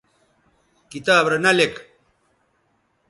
کتاب رے نہ لِک